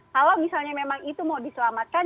kalau misalnya memang itu mau diselamatkan